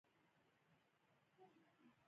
پارلمان پیاوړې سازماندهي او اتحاد درلود.